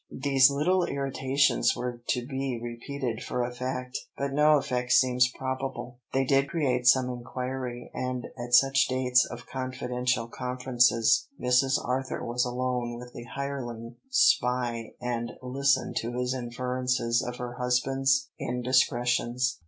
These little irritations were to be repeated for effect, but no effect seems probable. They did create some inquiry, and at such dates of confidential conferences Mrs. Arthur was alone with the hireling spy and listened to his inferences of her husband's indiscretions.